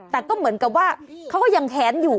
แต่ก็เหมือนกับว่าเขาก็ยังแค้นอยู่